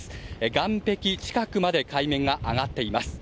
岸壁近くまで海面が上がっています。